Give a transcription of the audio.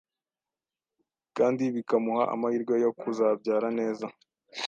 kandi bikamuha amahirwe yo kuzabyara neza.